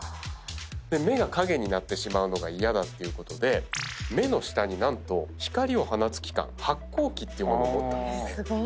目が影になってしまうのが嫌だっていうことで目の下に何と光を放つ器官発光器っていうものを持ったんです。